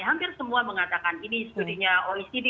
hampir semua mengatakan ini studinya oecd